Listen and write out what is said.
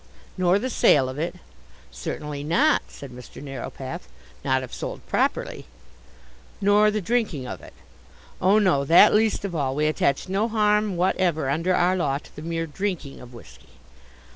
"Nor the sale of it?" "Certainly not," said Mr. Narrowpath, "not if sold properly." "Nor the drinking of it?" "Oh, no, that least of all. We attach no harm whatever, under our law, to the mere drinking of whisky."